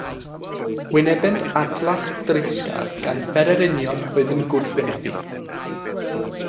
Wynebent adlach dreisgar gan bererinion oedd yn gwrthwynebu.